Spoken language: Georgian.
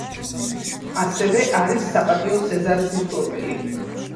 ასევე არის საპატიო სეზარის მფლობელი.